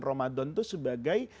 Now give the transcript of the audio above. ramadan itu sebagai